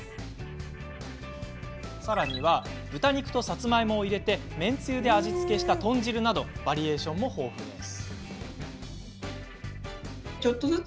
豚肉と、さつまいもを入れ麺つゆで味付けした豚汁などバリエーションも豊富です。